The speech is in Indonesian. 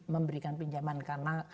memberikan pinjaman karena